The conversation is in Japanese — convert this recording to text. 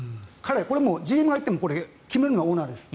ＧＭに入っても決めるのはオーナーです。